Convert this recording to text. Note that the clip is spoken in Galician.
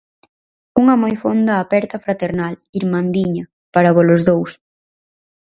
Unha moi fonda aperta fraternal, "irmandiña", para volos dous.